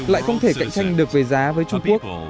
lại không thể cạnh tranh được về giá với trung quốc